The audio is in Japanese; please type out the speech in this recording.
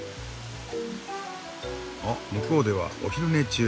あ向こうではお昼寝中。